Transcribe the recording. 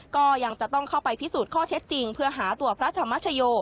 ก็ยังจะต้องเข้าไปพิสูจน์ข้อเท็จจริงเพื่อหาตัวพระธรรมชโย